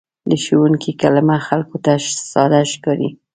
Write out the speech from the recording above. د ښوونکي کلمه خلکو ته ساده ښکاري.